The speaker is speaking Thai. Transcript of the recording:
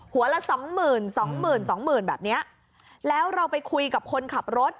ละสองหมื่นสองหมื่นสองหมื่นแบบเนี้ยแล้วเราไปคุยกับคนขับรถ